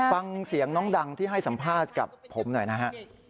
ฟังเสียงน้องดังที่ให้สัมภาษณ์กับผมหน่อยนะฮะ